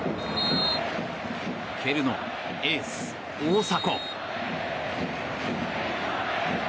蹴るのはエース、大迫。